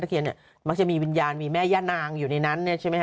มักจะจะมีวิญญาณมีแม่ย่านางอยู่ในนั้น